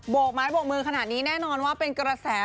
กไม้โบกมือขนาดนี้แน่นอนว่าเป็นกระแส